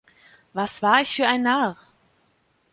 Was war ich für ein Narr!